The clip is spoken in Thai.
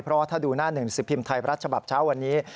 เพราะว่าถ้าดูหน้าหนึ่งสิบพิมพ์ไทยรัฐฉบับเช้าวันนี้